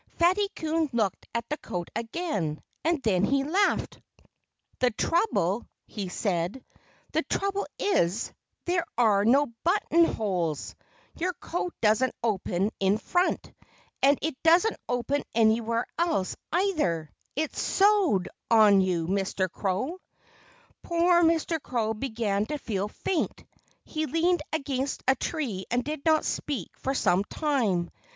Fatty Coon looked at the coat again. And then he laughed. "The trouble " he said "the trouble is, there are no buttonholes! Your coat doesn't open in front. And it doesn't open anywhere else, either. It's sewed on you, Mr. Crow." Poor Mr. Crow began to feel faint. He leaned against a tree and did not speak for some time.